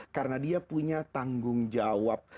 karena dia punya tanggung jawab